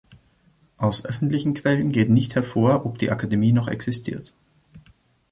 Aus öffentlichen Quellen geht nicht hervor, ob die Akademie noch existiert.